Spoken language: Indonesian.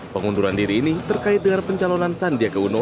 pengunduran diri ini terkait dengan pencalonan sandiaguno